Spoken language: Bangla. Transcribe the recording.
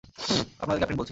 আপনাদের ক্যাপ্টেন বলছি।